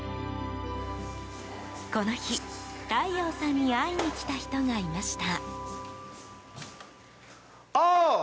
この日、太陽さんに会いに来た人がいました。